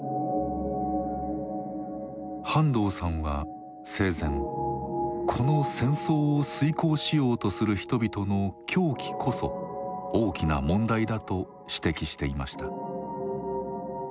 半藤さんは生前この戦争を遂行しようとする人々の「狂気」こそ大きな問題だと指摘していました。